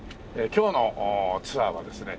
今日のツアーはですね